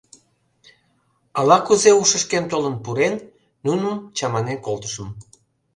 Ала-кузе ушышкем толын пурен, нуным чаманен колтышым.